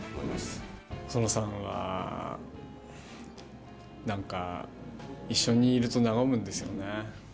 細野さんは何か一緒にいると和むんですよね。